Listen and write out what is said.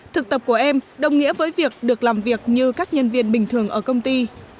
thực tập của em đồng nghĩa với việc được làm việc như các nhân viên bình thường ở công ty